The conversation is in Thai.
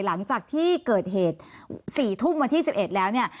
หลังจากที่เกิดเหตุสี่ทุ่มวันที่สิบเอ็ดแล้วเนี่ย